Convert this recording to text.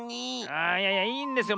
ああいやいやいいんですよ。